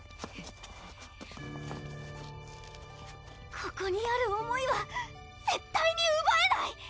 ここにある思いは絶対にうばえない！